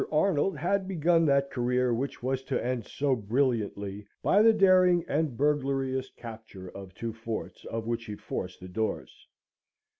Arnold had begun that career which was to end so brilliantly, by the daring and burglarious capture of two forts, of which he forced the doors.